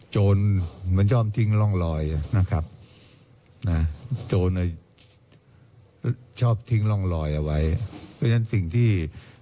โจรมันชอบทิ้งร่องรอยนะครับนะโจรชอบทิ้งร่องรอยเอาไว้